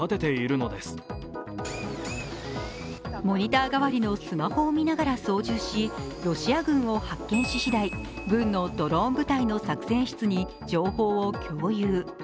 モニター代わりのスマホを見ながら操縦し、ロシア軍を発見ししだい、軍のドローン部隊の作戦室に情報を共有。